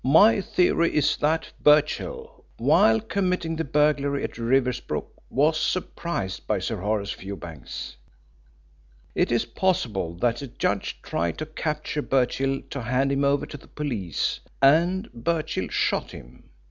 "My theory is that Birchill, while committing the burglary at Riversbrook, was surprised by Sir Horace Fewbanks. It is possible that the judge tried to capture Birchill to hand him over to the police, and Birchill shot him.